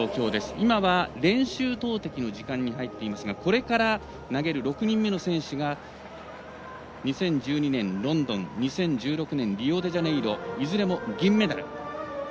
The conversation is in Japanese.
今は練習投てきの時間に入っていますがこれから、投げる６人目の選手が２０１２年ロンドン２０１６年リオデジャネイロいずれも銀メダル。